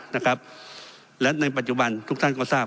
นะครับและในปัจจุบันทุกท่านก็ทราบ